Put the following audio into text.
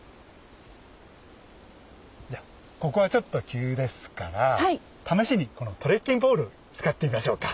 ここはちょっと急ですから試しにこのトレッキングポール使ってみましょうか。